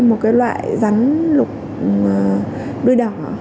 một loại rắn lục đuôi đỏ